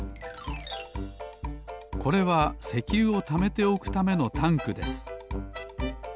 これは石油をためておくためのタンクです。